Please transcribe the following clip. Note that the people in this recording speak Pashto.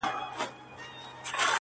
چي يې زړونه سوري كول د سركښانو-